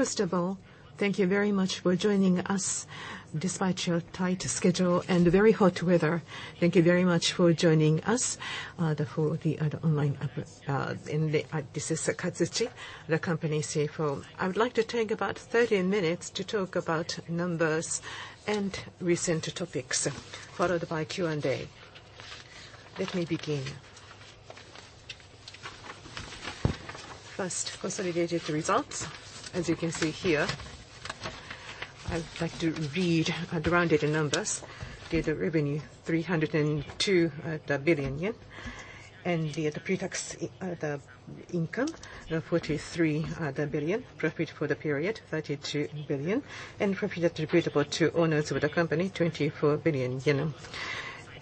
First of all, thank you very much for joining us, despite your tight schedule and very hot weather. Thank you very much for joining us for the online in the, this is Katsuchi, the company CFO. I would like to take about 13 minutes to talk about numbers and recent topics, followed by Q&A. Let me begin. First, consolidated results. As you can see here, I would like to read the rounded numbers. The revenue, 302 billion yen, and the pretax income, 43 billion. Profit for the period, 32 billion, and profit attributable to owners of the company, 24 billion yen.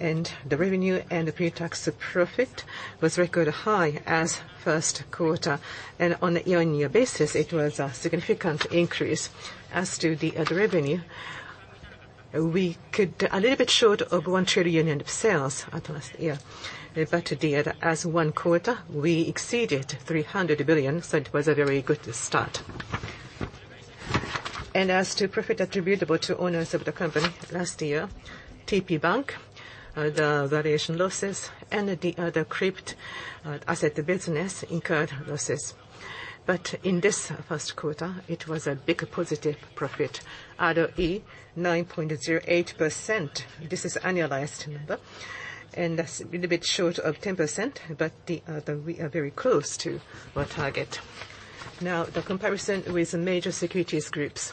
The revenue and the pretax profit was record high as first quarter, and on a year-on-year basis, it was a significant increase. As to the revenue, we could a little bit short of 1 trillion in sales last year, but as one quarter, we exceeded 300 billion, so it was a very good start. As to profit attributable to owners of the company last year, TPBank, the valuation losses and the crypto-asset business incurred losses. In this first quarter, it was a big positive profit, ROE, 9.08%. This is annualized number, that's a little bit short of 10%, we are very close to our target. Now, the comparison with the major securities groups.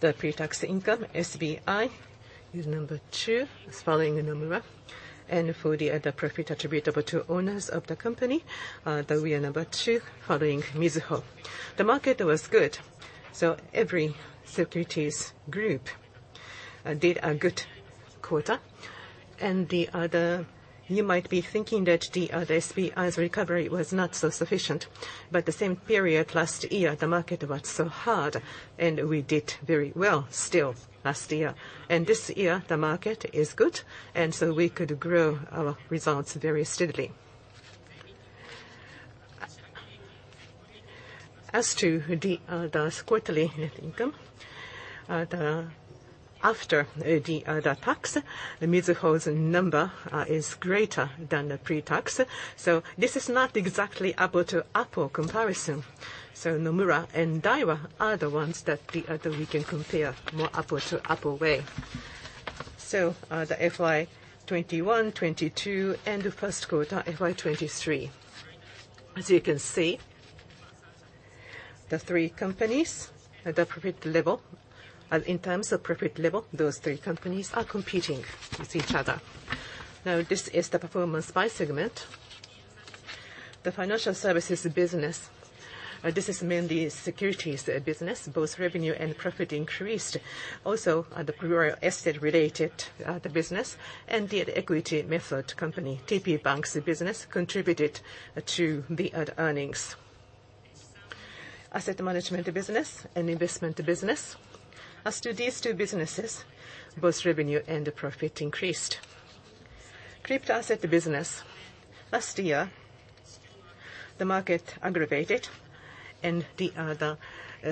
The pre-tax income, SBI is number two, following Nomura, for the profit attributable to owners of the company, that we are number two following Mizuho. The market was good, so every securities group did a good quarter, and the other, you might be thinking that the SBI's recovery was not so sufficient. The same period last year, the market was so hard, and we did very well still last year. This year, the market is good, and so we could grow our results very steadily. As to the quarterly income, the after the tax, Mizuho's number is greater than the pre-tax, so this is not exactly apple to apple comparison. Nomura and Daiwa are the ones that we can compare more apple to apple way. The FY2021, 2022, and the first quarter, FY2023. As you can see, the three companies at the profit level, in terms of profit level, those three companies are competing with each other. This is the performance by segment. The financial services business, this is mainly securities business. Both revenue and profit increased. Also, the rural asset-related business and the equity method company, TPBank's business, contributed to the earnings. Asset management business and investment business. As to these two businesses, both revenue and the profit increased. Crypto asset business, last year, the market aggravated and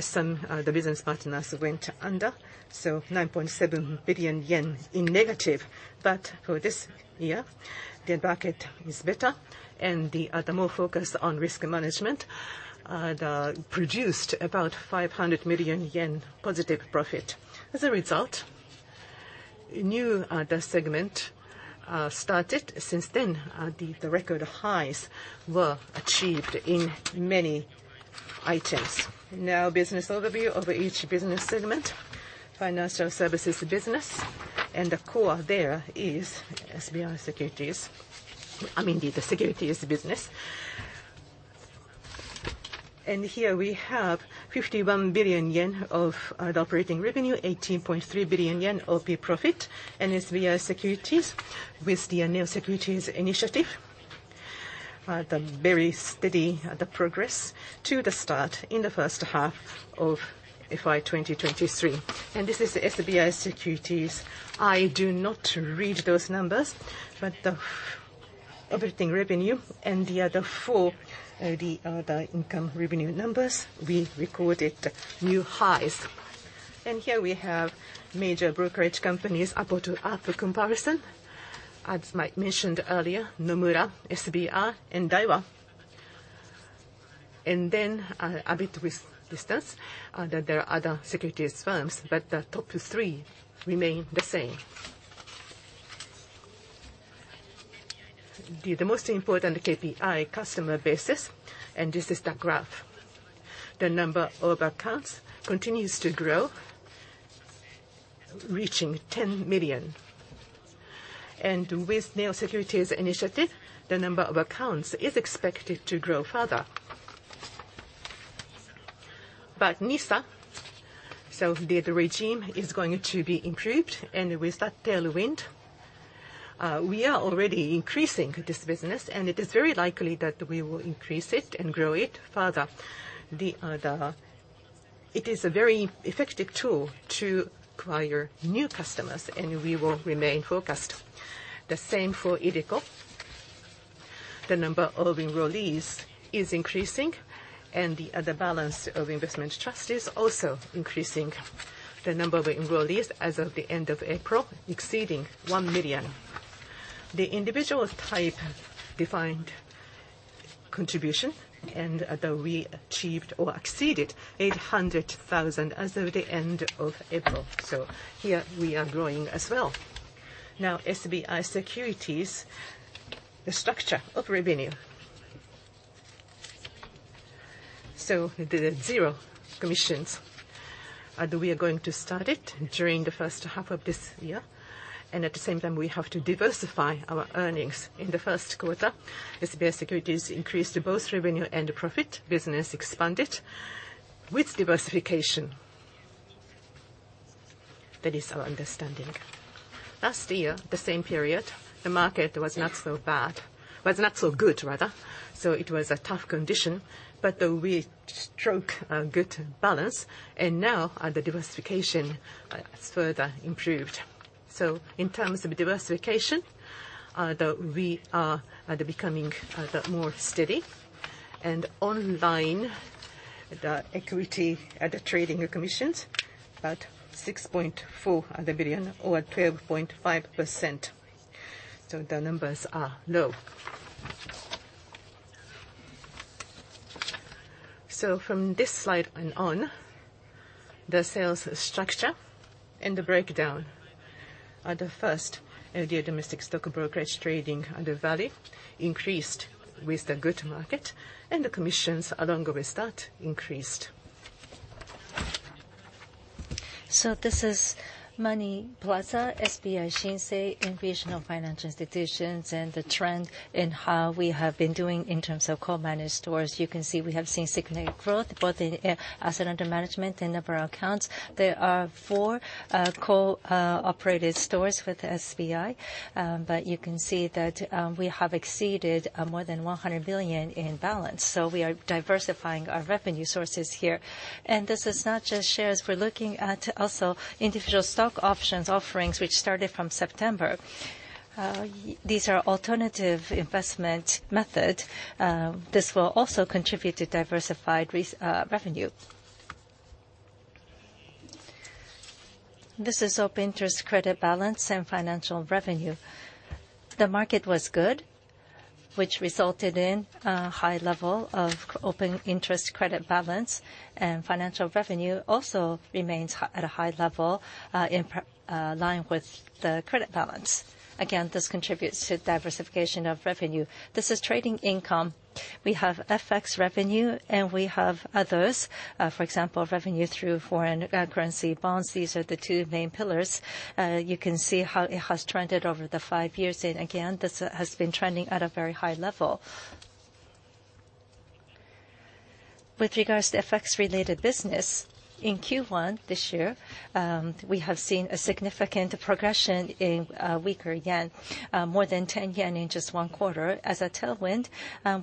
some business partners went under, so 9.7 billion yen in negative. For this year, the market is better, and more focus on risk management produced about 500 million yen positive profit. As a result, new segment started. Since then, record highs were achieved in many items. Business overview of each business segment. Financial services business, and the core there is SBI Securities. I mean, the securities business. Here we have 51 billion yen of the operating revenue, 18.3 billion yen OP profit, SBI Securities with the new Securities initiative, the very steady progress to the start in the first half of FY 2023. This is the SBI Securities. I do not read those numbers, but the operating revenue and the other four, the other income revenue numbers, we recorded new highs. Here we have major brokerage companies, apple to apple comparison. As I mentioned earlier, Nomura, SBI, and Daiwa. A bit with distance, there are other securities firms, but the top three remain the same. The most important KPI, customer basis. This is the graph. The number of accounts continues to grow, reaching 10 million. With new NISA initiative, the number of accounts is expected to grow further. NISA, so the, the regime is going to be improved, and with that tailwind, we are already increasing this business, and it is very likely that we will increase it and grow it further. It is a very effective tool to acquire new customers, and we will remain focused. The same for iDeCo. The number of enrollees is increasing, and the balance of investment trust is also increasing. The number of enrollees as of the end of April exceeding 1 million. The individual type defined contribution, and we achieved or exceeded 800,000 as of the end of April, so here we are growing as well. SBI Securities, the structure of revenue. The zero commissions, are that we are going to start it during the first half of this year, and at the same time, we have to diversify our earnings. In the first quarter, SBI Securities increased both revenue and profit. Business expanded with diversification. That is our understanding. Last year, the same period, the market was not so bad-- was not so good, rather. It was a tough condition, but we struck a good balance. Now, the diversification is further improved. In terms of diversification, we are becoming more steady. Online, the equity at the trading commissions, about 6.4 billion or 12.5%. The numbers are low. From this slide and on, the sales structure and the breakdown. First, the domestic stock brokerage trading value increased with the good market. The commissions along with that increased. This is MONEYPLAZA, SBI Shinsei, and regional financial institutions. The trend in how we have been doing in terms of co-managed stores. You can see we have seen significant growth, both in asset under management and number of accounts. There are four co-operated stores with SBI, but you can see that we have exceeded 100 billion in balance. We are diversifying our revenue sources here. This is not just shares. We're looking at also individual stock options offerings, which started from September. These are alternative investment method. This will also contribute to diversified revenue. This is open interest credit balance and financial revenue. The market was good, which resulted in a high level of open interest credit balance, and financial revenue also remains at a high level in line with the credit balance. Again, this contributes to diversification of revenue. This is trading income. We have FX revenue, and we have others, for example, revenue through foreign currency bonds. These are the two main pillars. You can see how it has trended over the five years, and again, this has been trending at a very high level. With regards to FX-related business, in Q1 this year, we have seen a significant progression in weaker yen, more than 10 yen in just one quarter. As a tailwind,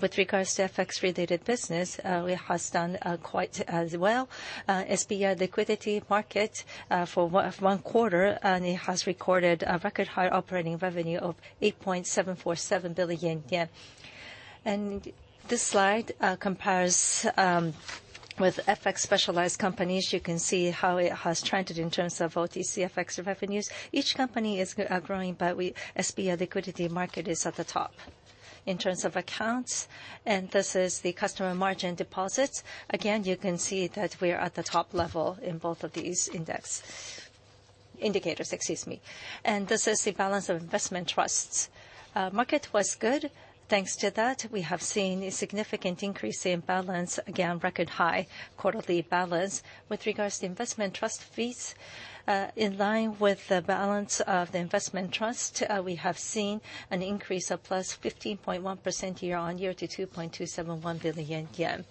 with regards to FX-related business, it has done quite as well. SBI Liquidity Market, for one quarter, and it has recorded a record high operating revenue of 8.747 billion yen. This slide compares with FX-specialized companies. You can see how it has trended in terms of OTC FX revenues. Each company are growing, but we, SBI Liquidity Market, is at the top in terms of accounts, and this is the customer margin deposits. Again, you can see that we're at the top level in both of these indicators, excuse me. This is the balance of investment trusts. Market was good. Thanks to that, we have seen a significant increase in balance. Again, record high quarterly balance. With regards to investment trust fees, in line with the balance of the investment trust, we have seen an increase of +15.1% year-on-year to 2.271 billion yen.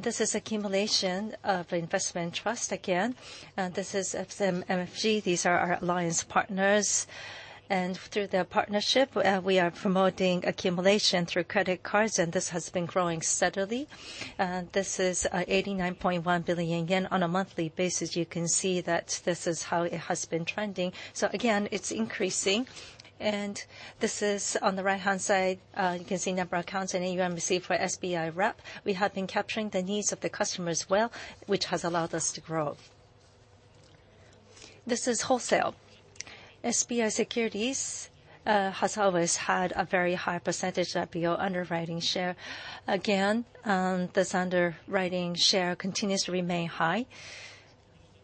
This is accumulation of investment trust again, and this is SMFG. These are our alliance partners, and through their partnership, we are promoting accumulation through credit cards, and this has been growing steadily. This is 89.1 billion yen. On a monthly basis, you can see that this is how it has been trending. Again, it's increasing. This is, on the right-hand side, you can see number of accounts and AUM received for SBI Wrap. We have been capturing the needs of the customer as well, which has allowed us to grow. This is wholesale. SBI Securities has always had a very high percentage of IPO underwriting share. Again, this underwriting share continues to remain high.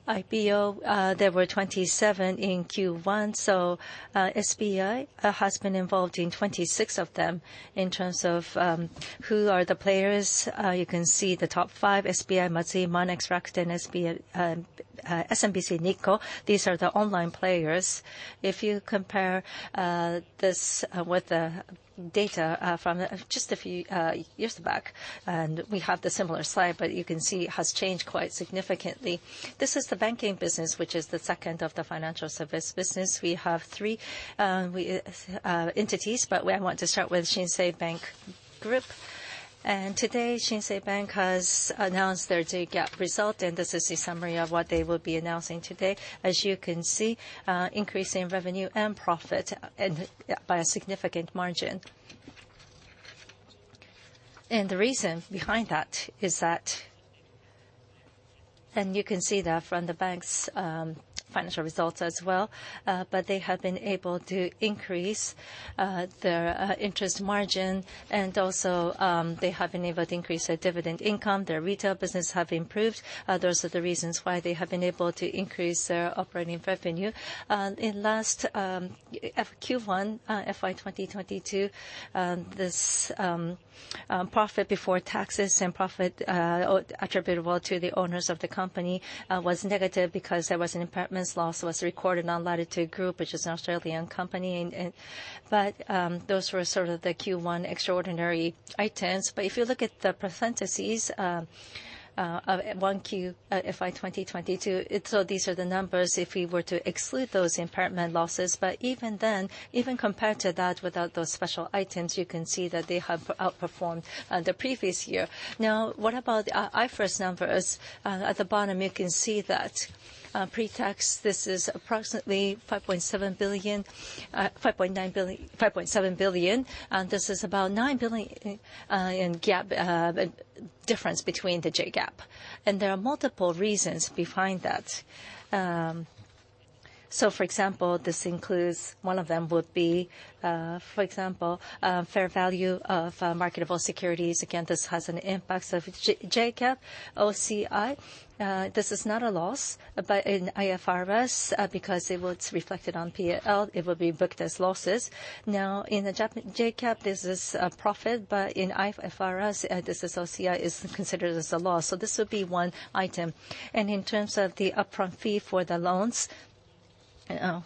IPO, there were 27 in Q1, SBI has been involved in 26 of them. In terms of who are the players, you can see the top five, SBI, Matsui, Monex, Rakuten, SB, SMBC Nikko. These are the online players. If you compare this with the data from just a few years back, and we have the similar slide, but you can see it has changed quite significantly. This is the banking business, which is the second of the financial service business. We have three entities, but I want to start with SBI Shinsei Bank Group. Today, SBI Shinsei Bank has announced their JGAAP result, and this is the summary of what they will be announcing today. As you can see, increase in revenue and profit, and by a significant margin. The reason behind that is that, and you can see that from the bank's financial results as well, but they have been able to increase their interest margin, and also, they have been able to increase their dividend income. Their retail business have improved. Those are the reasons why they have been able to increase their operating revenue. In last Q1 FY 2022, this profit before taxes and profit attributable to the owners of the company was negative because there was an impairment loss recorded on Latitude Group, which is an Australian company. Those were sort of the Q1 extraordinary items. If you look at the parentheses of FY 2022, so these are the numbers if we were to exclude those impairment losses. Even then, even compared to that, without those special items, you can see that they have outperformed the previous year. Now, what about the IFRS numbers? At the bottom, you can see that, pre-tax, this is approximately 5.7 billion, 5.9 billion-5.7 billion, and this is about 9 billion in gap difference between the JGAAP. There are multiple reasons behind that. So, for example, this includes, one of them would be, for example, fair value of marketable securities. Again, this has an impact of JGAAP, OCI. This is not a loss, but in IFRS, because it was reflected on P&L, it will be booked as losses. Now, in the JGAAP, this is a profit, but in IFRS, this OCI is considered as a loss. This would be one item. In terms of the upfront fee for the loans,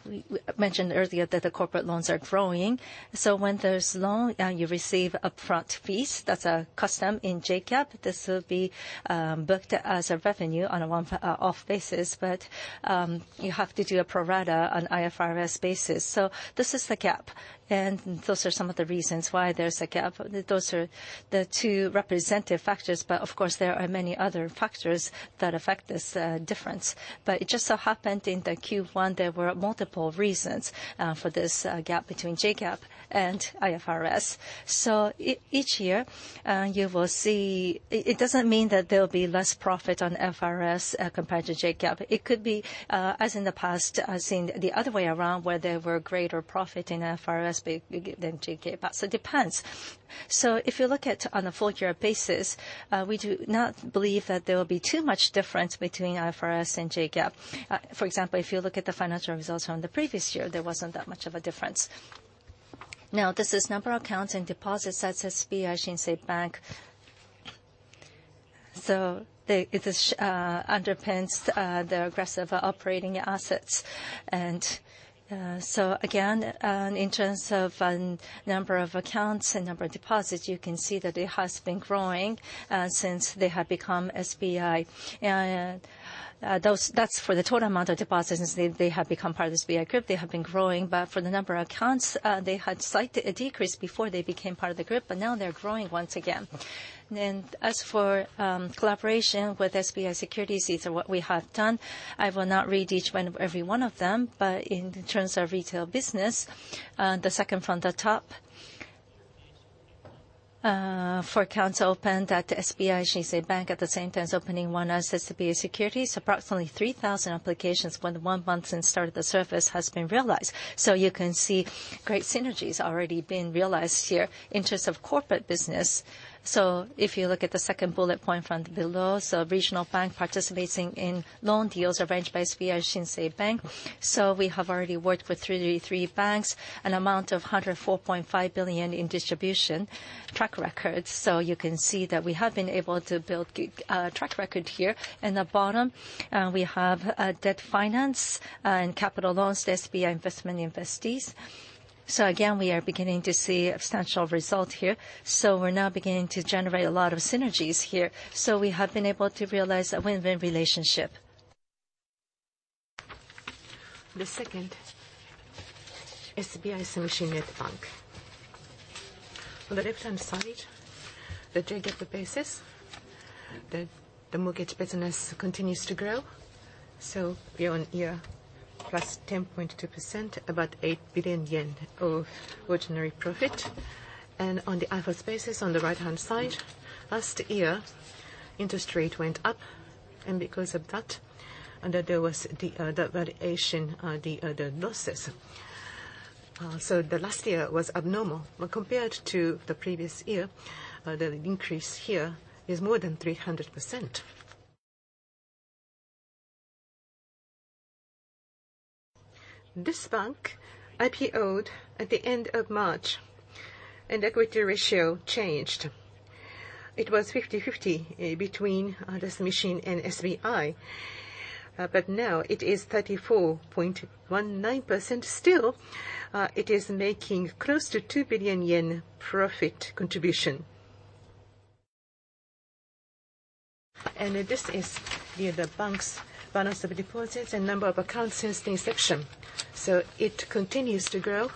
we mentioned earlier that the corporate loans are growing. When there's loan, you receive upfront fees, that's a custom in JGAAP. This will be booked as a revenue on a one off basis, but you have to do a pro rata on IFRS basis. This is the gap, and those are some of the reasons why there's a gap. Those are the two representative factors, but of course, there are many other factors that affect this difference. It just so happened in the Q1, there were multiple reasons for this gap between JGAAP and IFRS. Each year, you will see it doesn't mean that there will be less profit on IFRS compared to JGAAP. It could be, as in the past, seen the other way around, where there were greater profit in IFRS than JGAAP, but it depends. If you look at on a full year basis, we do not believe that there will be too much difference between IFRS and JGAAP. For example, if you look at the financial results from the previous year, there wasn't that much of a difference. Now, this is number of accounts and deposits at SBI Shinsei Bank. The, it is, underpins, the aggressive operating assets. So again, in terms of, number of accounts and number of deposits, you can see that it has been growing, since they have become SBI. That's for the total amount of deposits, since they, they have become part of the SBI Group, they have been growing. But for the number of accounts, they had slightly a decrease before they became part of the group, but now they're growing once again. As for collaboration with SBI Securities, these are what we have done. I will not read each one, every one of them, but in terms of retail business, the second from the top, for accounts opened at the SBI Shinsei Bank, at the same time as opening one as SBI Securities, approximately 3,000 applications within one month since start of the service has been realized. You can see great synergies already being realized here. In terms of corporate business, if you look at the second bullet point from below, regional bank participating in loan deals arranged by SBI Shinsei Bank. We have already worked with three banks, an amount of 104.5 billion in distribution track records. You can see that we have been able to build track record here. In the bottom, we have debt finance and capital loans to SBI investment investees. Again, we are beginning to see substantial result here, so we're now beginning to generate a lot of synergies here. We have been able to realize a win-win relationship. The second, SBI Sumishin Net Bank. On the left-hand side, the JGAAP basis, the mortgage business continues to grow, year-over-year, +10.2%, about 8 billion yen of ordinary profit. On the IFRS basis, on the right-hand side, last year, interest rate went up, and because of that, and there was the valuation, the losses. The last year was abnormal. Compared to the previous year, the increase here is more than 300%. This bank IPO'd at the end of March, and equity ratio changed. It was 50/50 between the Sumishin and SBI, now it is 34.19%. Still, it is making close to 2 billion yen profit contribution. This is the bank's balance of deposits and number of accounts since the inception. It continues to grow,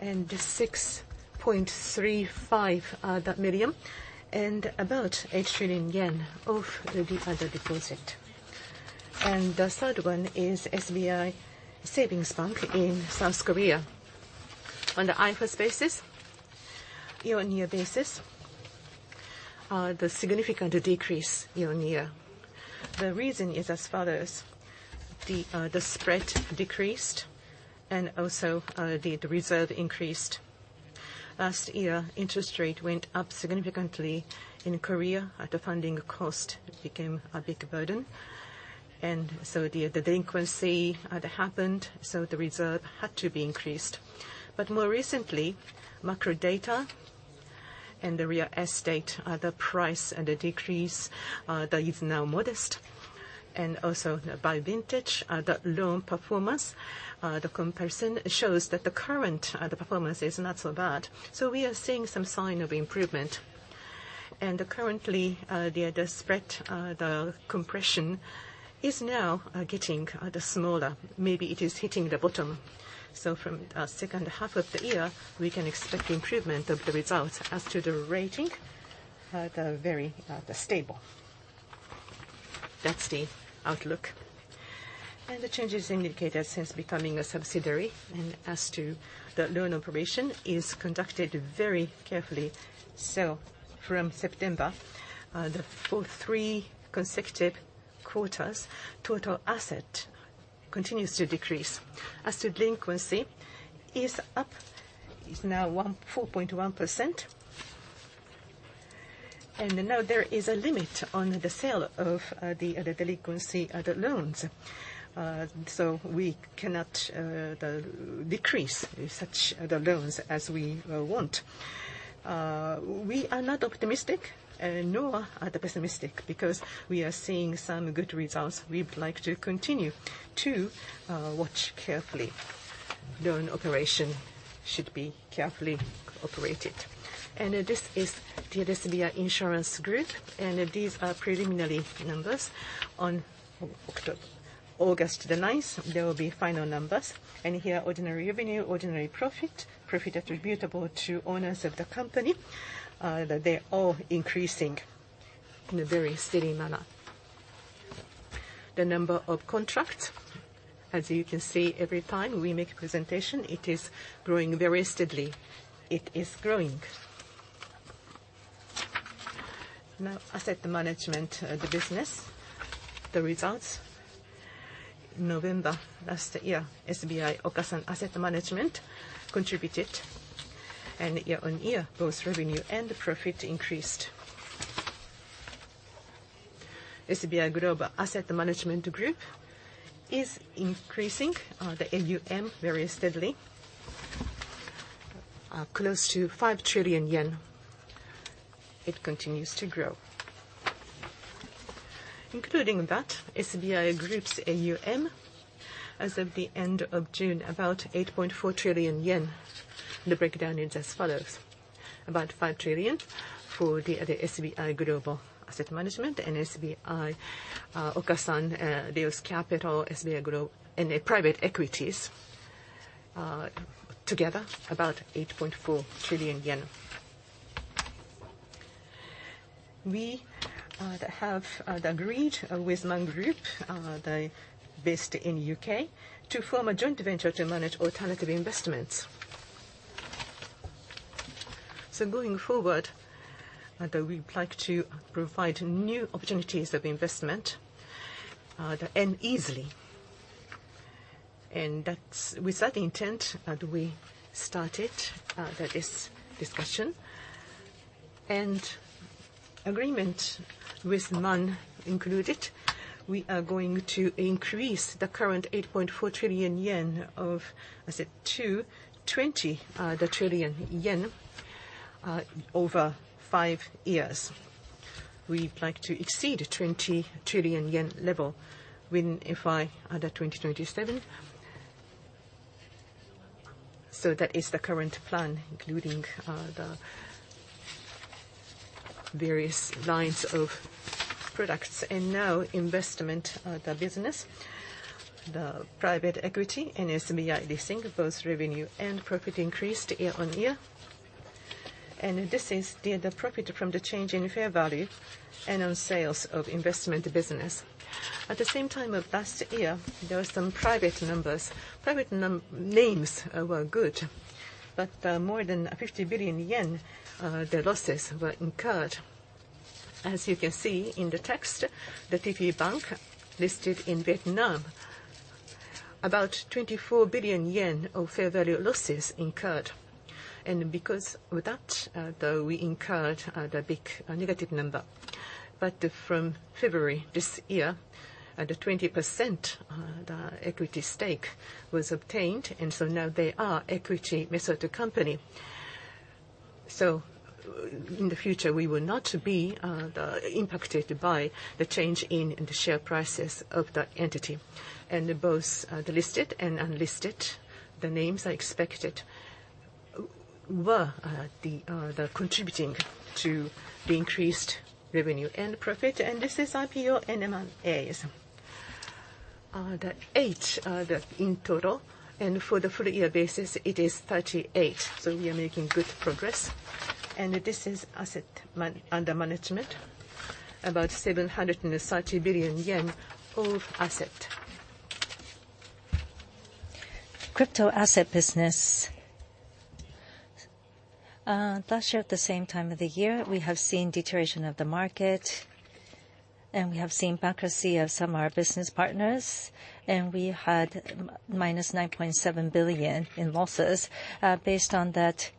and 6.35 million, and about 8 trillion yen of the deposit. The third one is SBI Savings Bank in South Korea. On the IFRS basis, year-on-year basis, the significant decrease year-on-year. The reason is as follows: the spread decreased, and also, the reserve increased. Last year, interest rate went up significantly in Korea, and the funding cost became a big burden. So the delinquency that happened, so the reserve had to be increased. More recently, macro data and the real estate price and the decrease that is now modest, and also by vintage, the loan performance comparison shows that the current performance is not so bad. We are seeing some sign of improvement. Currently, the spread compression is now getting smaller. Maybe it is hitting the bottom. From second half of the year, we can expect improvement of the results. As to the rating, the very stable. That's the outlook. The changes indicated since becoming a subsidiary, and as to the loan operation, is conducted very carefully. From September, for three consecutive quarters, total asset continues to decrease. As to delinquency is up, is now 4.1%. Now there is a limit on the sale of the delinquency of the loans. We cannot decrease such the loans as we want. We are not optimistic, nor are the pessimistic, because we are seeing some good results. We would like to continue to watch carefully. Loan operation should be carefully operated. This is the SBI Insurance Group, and these are preliminary numbers. On August the 9th, there will be final numbers. Here, ordinary revenue, ordinary profit, profit attributable to owners of the company, they're all increasing in a very steady manner. The number of contracts, as you can see, every time we make a presentation, it is growing very steadily. It is growing. Now, asset management, the business, the results. November last year, SBI Okasan Asset Management contributed, and year-on-year, both revenue and profit increased. SBI Global Asset Management Group is increasing the AUM very steadily, close to 5 trillion yen. It continues to grow. Including that, SBI Group's AUM, as of the end of June, about 8.4 trillion yen. The breakdown is as follows: About 5 trillion for the, the SBI Global Asset Management, and SBI Okasan, Rheos Capital, and the private equities, together, about JPY 8.4 trillion. We have agreed with Man Group, the based in U.K., to form a joint venture to manage alternative investments. Going forward, we'd like to provide new opportunities of investment and easily. That's, with that intent, we started this discussion. Agreement with Man included, we are going to increase the current 8.4 trillion yen of, as at 20 trillion yen, over five years. We'd like to exceed 20 trillion yen level when FY 2027. That is the current plan, including the various lines of products. Investment, the business, the private equity, and SBI Leasing, both revenue and profit increased year-on-year. This is the profit from the change in fair value and on sales of investment business. At the same time, of last year, there were some private numbers. Private names were good, but more than 50 billion yen, the losses were incurred. As you can see in the text, the TPBank, listed in Vietnam, about 24 billion yen of fair value losses incurred. Because of that, though we incurred the big negative number. From February this year, the 20%, the equity stake was obtained, and so now they are equity method company. In the future, we will not be impacted by the change in the share prices of that entity. Both, the listed and unlisted, the names are expected were the contributing to the increased revenue and profit, and this is IPO and M&As. The eight in total, and for the full year basis, it is 38. So we are making good progress. And this is asset under management, about 730 billion yen of asset. Crypto-asset business. Last year, at the same time of the year, we have seen deterioration of the market, and we have seen bankruptcy of some of our business partners, and we had minus 9.7 billion in losses. Based on that,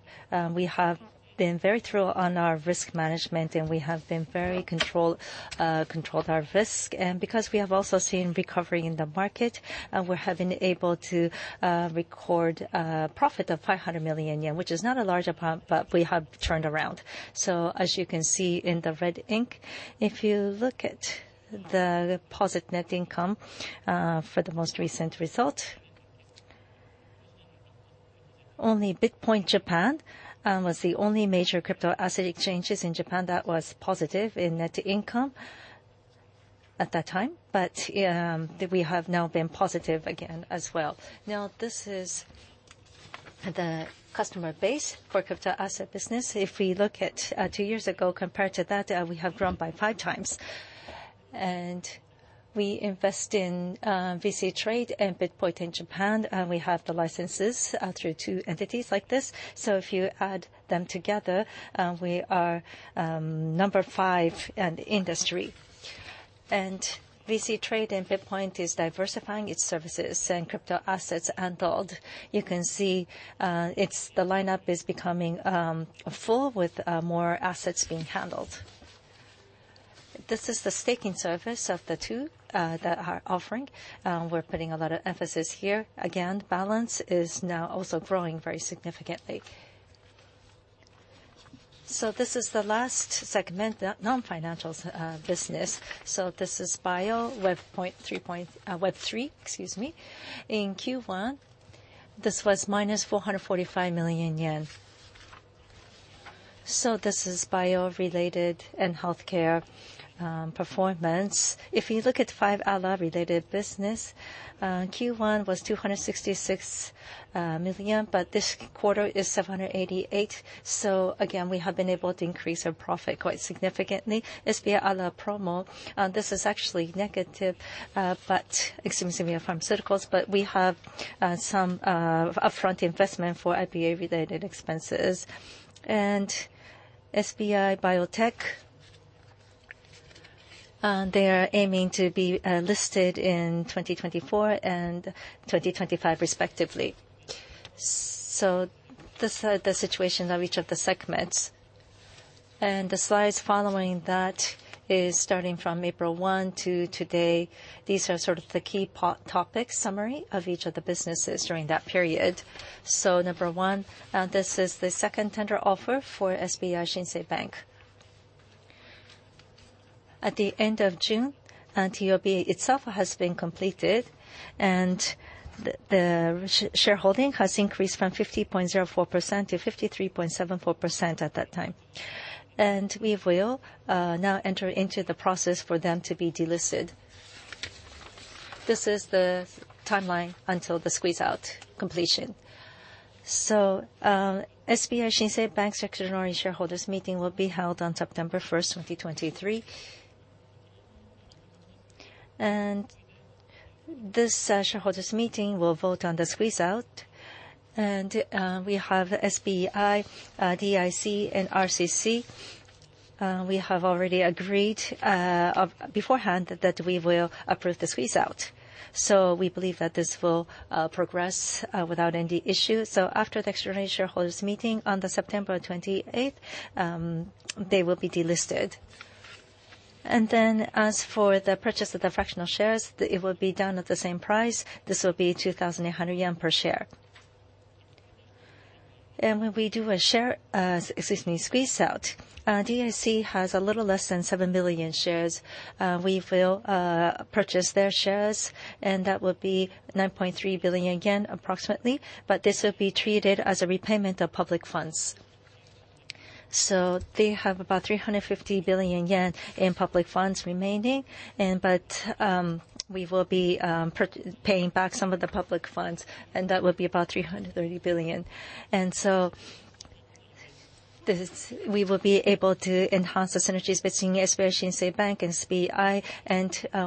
we have been very thorough on our risk management, and we have been very controlled, controlled our risk. Because we have also seen recovery in the market, we have been able to record a profit of 500 million yen, which is not a large amount. We have turned around. As you can see in the red ink, if you look at the deposit net income for the most recent result, only BITPoint Japan was the only major crypto-asset exchanges in Japan that was positive in net income at that time. We have now been positive again as well. This is the customer base for crypto-asset business. If we look at two years ago, compared to that, we have grown by five times. We invest in VC Trade and BitPoint in Japan, and we have the licenses through two entities like this. If you add them together, we are number five in the industry. SBI VC Trade and BITPoint is diversifying its services and crypto assets handled. You can see, the lineup is becoming full with more assets being handled. This is the staking service of the two that are offering. We're putting a lot of emphasis here. Again, balance is now also growing very significantly. This is the last segment, the non-financial business. This is bio, Web3, excuse me. In Q1, this was -445 million yen. This is bio-related and healthcare performance. If you look at 5-ALA-related business, Q1 was 266 million, but this quarter is 788 million. Again, we have been able to increase our profit quite significantly. SBI ALApromo, this is actually negative, but excuse me, pharmaceuticals, but we have some upfront investment for IPA-related expenses. SBI Biotech, they are aiming to be listed in 2024 and 2025 respectively. This is the situation of each of the segments. The slides following that is starting from April 1 to today. These are sort of the key part, topic summary of each of the businesses during that period. Number one, this is the second tender offer for SBI Shinsei Bank. At the end of June, TOB itself has been completed, and the share, shareholding has increased from 50.04% to 53.74% at that time. We will now enter into the process for them to be delisted. This is the timeline until the squeeze-out completion. SBI Shinsei Bank's extraordinary shareholders' meeting will be held on September 1st, 2023. This shareholders' meeting will vote on the squeeze-out, and we have SBI, DIC, and RCC. We have already agreed beforehand that we will approve the squeeze-out. We believe that this will progress without any issue. After the extraordinary shareholders' meeting on the September 28th, they will be delisted. As for the purchase of the fractional shares, it will be done at the same price. This will be 2,800 yen per share. When we do a share, excuse me, squeeze-out, DIC has a little less than 7 billion shares. We will purchase their shares, and that will be 9.3 billion yen approximately, but this will be treated as a repayment of public funds. They have about 350 billion yen in public funds remaining we will be paying back some of the public funds, and that will be about 330 billion. This is we will be able to enhance the synergies between SBI Shinsei Bank and SBI,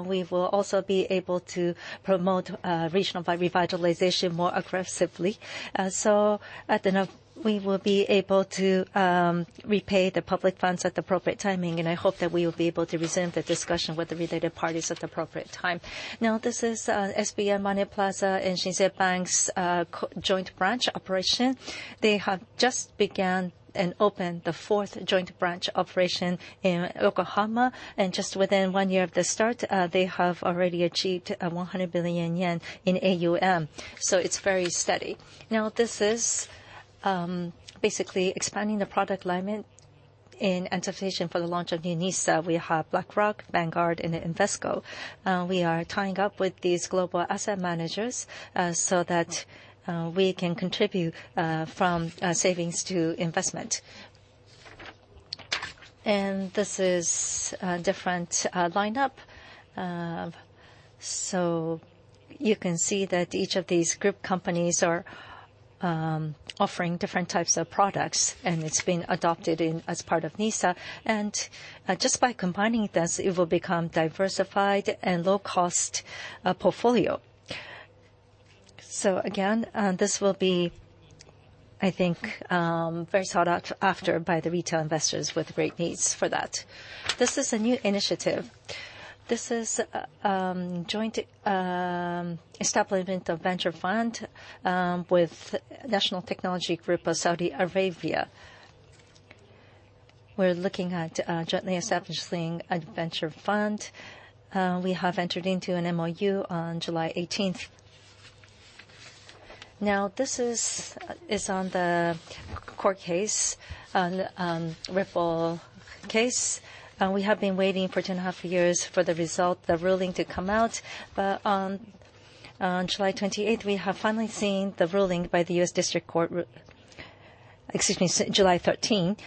we will also be able to promote regional revitalization more aggressively. At the end of. We will be able to repay the public funds at the appropriate timing, and I hope that we will be able to resume the discussion with the related parties at the appropriate time. Now, this is SBI MONEYPLAZA and Shinsei Bank's joint branch operation. They have just began and opened the fourth joint branch operation in Yokohama, and just within one year of the start, they have already achieved 100 billion yen in AUM, so it's very steady. Now, this is basically expanding the product alignment in anticipation for the launch of new NISA, we have BlackRock, Vanguard, and Invesco. We are tying up with these global asset managers so that we can contribute from savings to investment. This is a different lineup. You can see that each of these group companies are offering different types of products, and it's been adopted in as part of NISA. Just by combining this, it will become diversified and low-cost portfolio. Again, this will be, I think, very sought out after by the retail investors with great needs for that. This is a new initiative. This is joint establishment of venture fund with National Technology Group of Saudi Arabia. We're looking at jointly establishing a venture fund. We have entered into an MOU on July 18th. Now, this is, is on the court case, on Ripple case. We have been waiting for 2.5 years for the result, the ruling to come out. On July 28th, we have finally seen the ruling by the U.S. District Court. Excuse me, July 13th.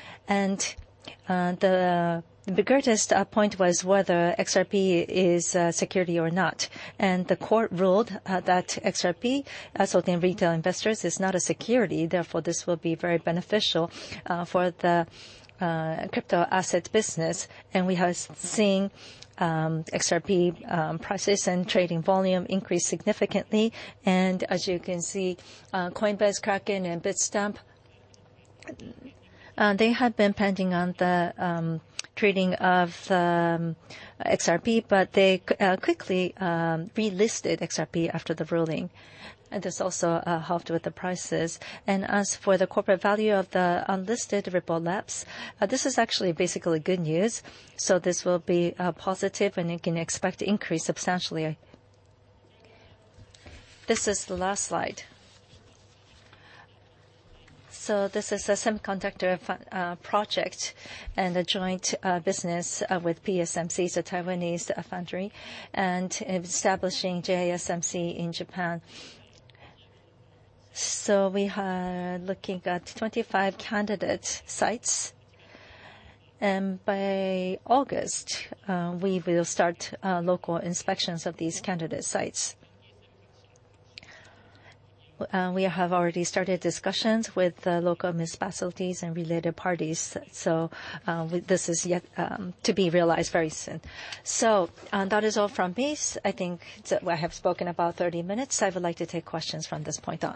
The, the greatest point was whether XRP is a security or not. The court ruled that XRP, so the retail investors, is not a security, therefore, this will be very beneficial for the crypto asset business. We have seen XRP prices and trading volume increase significantly. As you can see, Coinbase, Kraken, and Bitstamp, they had been pending on the trading of XRP, but they quickly relisted XRP after the ruling, and this also helped with the prices. As for the corporate value of the unlisted Ripple Labs, this is actually basically good news, so this will be positive, and you can expect to increase substantially. This is the last slide. This is a semiconductor fun- project and a joint business with TSMC, the Taiwanese foundry, and establishing JSMC in Japan. We are looking at 25 candidate sites, and by August, we will start local inspections of these candidate sites. We have already started discussions with the local municipalities and related parties, so this is yet to be realized very soon. That is all from me. I think I have spoken about 30 minutes. I would like to take questions from this point on.